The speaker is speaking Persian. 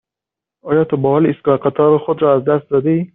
آیا تا به حال ایستگاه قطار خود را از دست داده ای؟